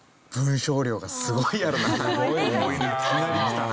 いきなりきたな。